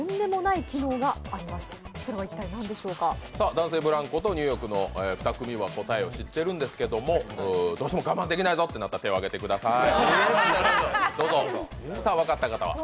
男性ブランコとニューヨークの二組は答えを知ってるんですけども、どうしても我慢できないぞとなったら手を挙げてください。